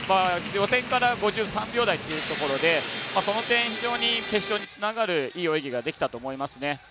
予選から５３秒台というところでその点、非常に決勝につながるいい泳ぎができたと思いますね。